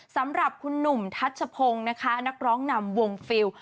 สำหรับคุณหนุ่มทัชพงศ์นะคะนักร้องนำวงฟิล